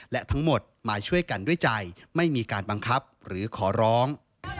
และทั้งหมดมาช่วยกันด้วยใจไม่มีการบังคับหรือขอร้อง